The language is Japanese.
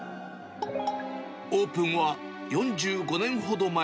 オープンは４５年ほど前。